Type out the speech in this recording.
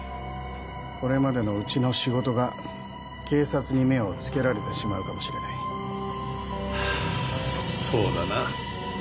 これまでのうちの仕事が警察に目をつけられてしまうかもしれないはあそうだな